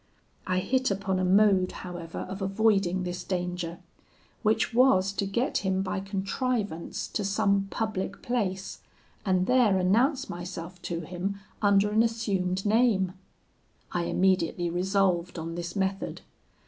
I hit upon a mode, however, of avoiding this danger, which was to get him by contrivance to some public place, and there announce myself to him under an assumed name: I immediately resolved on this method.